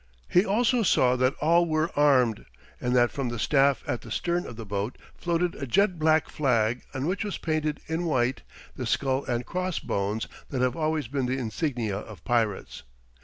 He also saw that all were armed, and that from the staff at the stern of the boat floated a jet black flag on which was painted in white the skull and cross bones that have always been the insignia of pirates.